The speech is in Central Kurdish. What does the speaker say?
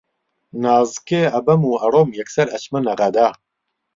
نازکێ ئەبەم و ئەڕۆم یەکسەر ئەچمە نەغەدە